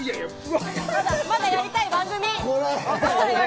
まだやりたい番組。